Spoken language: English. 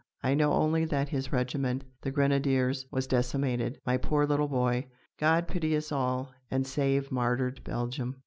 I know only that his regiment, the Grenadiers, was decimated. My poor little boy! God pity us all, and save martyred Belgium!"